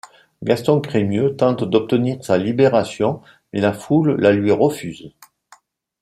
Gaston Crémieux tente d'obtenir sa libération mais la foule la lui refuse.